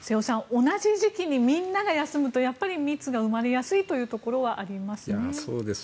同じ時期にみんなが休むとやっぱり密が生まれやすいというところはありますね。